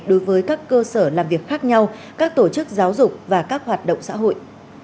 đối với các cơ sở làm việc khác nhau các tổ chức giáo dục và các hoạt động xã hội